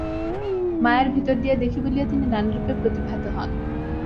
মায়ার ভিতর দিয়া দেখি বলিয়া তিনি নানারূপে প্রতিভাত হন।